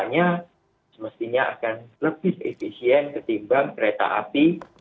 biasanya semestinya akan lebih efisien ketimbang kereta api